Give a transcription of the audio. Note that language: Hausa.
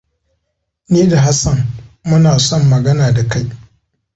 Ni da Hassan muna son magana da kai.